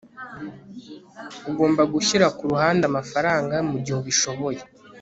Ugomba gushyira ku ruhande amafaranga mugihe ubishoboye